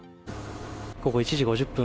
午後１時５０分。